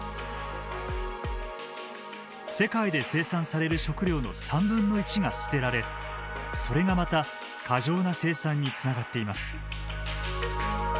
世界で生産される食料の３分の１が捨てられそれがまた過剰な生産につながっています。